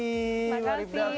terima kasih rivda